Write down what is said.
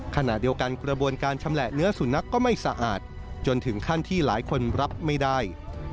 ขณะเดียวกันกระบวนการชำแหละเนื้อสุนัขก็ไม่สะอาดจนถึงขั้นที่หลายคนรับไม่ได้